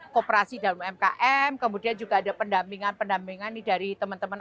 kooperasi dalam umkm kemudian juga ada pendampingan pendampingan dari teman teman